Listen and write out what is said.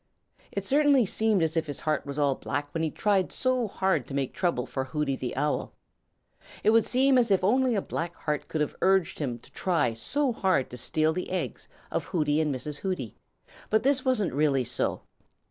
It certainly seemed as if his heart was all black when he tried so hard to make trouble for Hooty the Owl. It would seem as if only a black heart could have urged him to try so hard to steal the eggs of Hooty and Mrs. Hooty, but this wasn't really so.